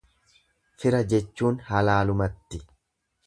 Fira jechuun halaalumatti.